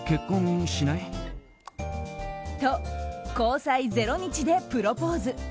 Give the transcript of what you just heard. と、交際０日でプロポーズ。